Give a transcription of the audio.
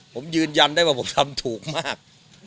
ผมยืนยันได้ว่าผมทำถูกมาก